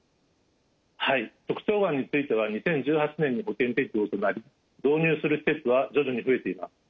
はい直腸がんについては２０１８年に保険適用となり導入する施設は徐々に増えています。